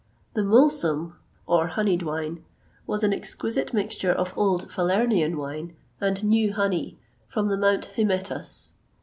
[XXVIII 123] The Mulsum, or honeyed wine, was an exquisite mixture of old Falernian wine and new honey, from the Mount Hymettus.